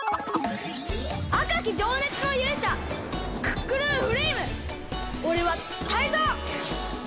あかきじょうねつのゆうしゃクックルンフレイムおれはタイゾウ！